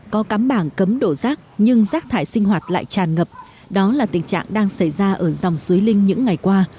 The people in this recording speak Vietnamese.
có cắm bảng cấm đổ rác nhưng rác thải sinh hoạt lại tràn ngập đó là tình trạng đang xảy ra ở dòng suối linh những ngày qua